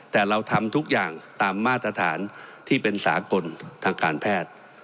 แต่เราทำทุกอย่างตามมาตรฐานที่เป็นสากลทางการแพทย์